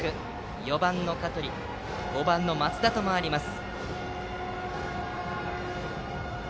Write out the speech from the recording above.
４番の香取５番の松田と回ります。